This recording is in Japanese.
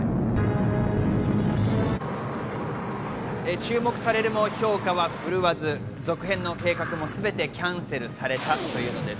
注目されるも、評価は振るわず、続編の計画もすべてキャンセルされたというのです。